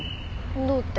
どうって？